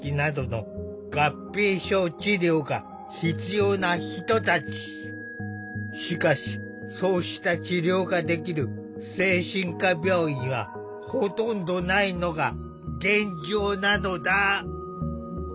入院患者の多くはしかしそうした治療ができる精神科病院はほとんどないのが現状なのだ。